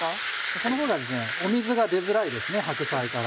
そのほうが水が出づらいですね白菜から。